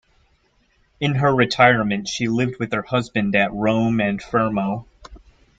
In her retirement she lived with her husband at Rome and Fermo.